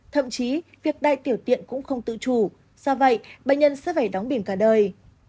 thậm chí việc đai tiểu tiện cũng không tự chủ do vậy bệnh nhân sẽ phải đóng biển cả đời